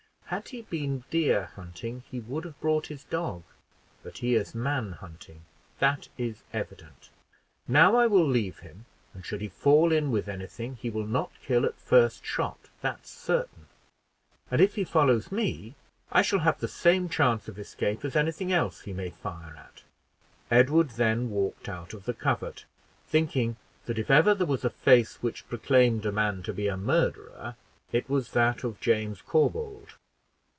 Had he been deer hunting, he would have brought his dog; but he is man hunting, that is evident. Now I will leave him, and should he fall in with anything, he will not kill at first shot, that's certain; and if he follows me, I shall have the same chance of escape as anything else he may fire at." Edward then walked out of the covert, thinking that if ever there was a face which proclaimed a man to be a murderer, it was that of James Corbould.